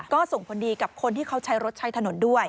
ก็ส่งผลดีกับคนที่เขาใช้รถใช้ถนนด้วย